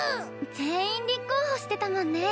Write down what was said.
全員立候補してたもんね。